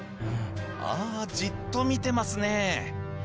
ああじっと見てますね。